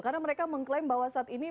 karena mereka mengklaim bahwa saat ini